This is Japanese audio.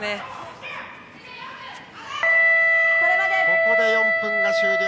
ここで４分終了。